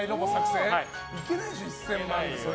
いけないでしょそれも１０００万で。